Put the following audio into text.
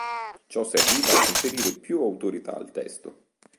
Ciò serviva a conferire più autorità al testo.